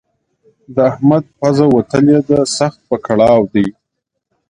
د احمد پزه وتلې ده؛ سخت په کړاو دی.